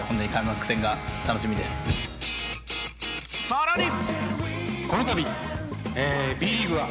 さらに。